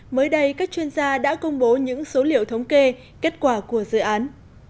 mới đây các chuyên gia đã công bố những số liệu thống kê kết quả của dự án